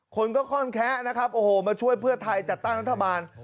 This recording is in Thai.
คนก็ค่อนแคะนะครับโอ้โหมาช่วยเพื่อไทยจัดตั้งรัฐบาล